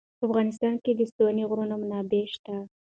په افغانستان کې د ستوني غرونه منابع شته.